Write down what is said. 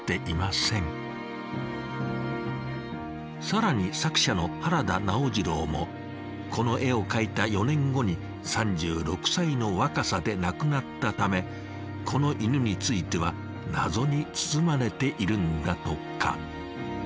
更に作者の原田直次郎もこの絵を描いた４年後に３６歳の若さで亡くなったためこの犬については謎に包まれているんだとか。